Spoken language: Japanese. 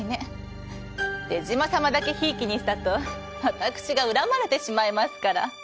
手島様だけひいきにしたと私が恨まれてしまいますから。